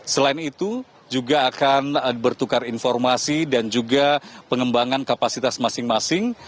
selain itu juga akan bertukar informasi dan juga pengembangan kapasitas masing masing